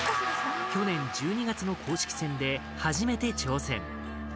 去年１２月の公式戦で初めて挑戦。